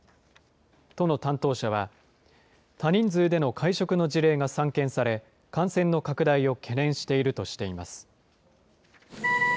都の担当者は、多人数での会食の事例が散見され、感染の拡大を懸念しているとしています。